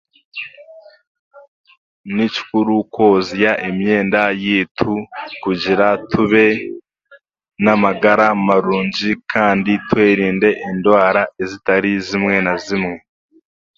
Ni kikuru kwozya emyenda yaitu kugira tube n'amagara marungi kandi tweinde endwara ezitari zimwe na zimwe.